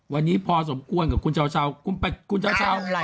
วันนี้พอสมควรกับคุณเช่าเช่าคุณไปคุณเช่าอะไรมากเลย